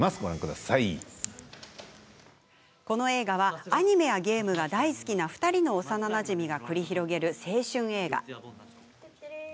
この映画はアニメやゲームが大好きな２人の幼なじみが繰り広げる青春映画。